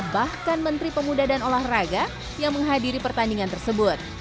bahkan menteri pemuda dan olahraga yang menghadiri pertandingan tersebut